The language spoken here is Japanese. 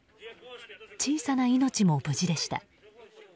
小さな命も無事でした。